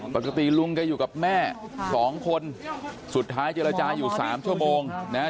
ปกติลุงแกอยู่กับแม่สองคนสุดท้ายเจรจาอยู่สามชั่วโมงนะฮะ